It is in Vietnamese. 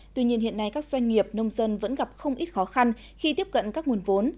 tuy nhiên hiện nay các doanh nghiệp nông dân vẫn gặp không ít khó khăn khi tiếp cận các nguồn vốn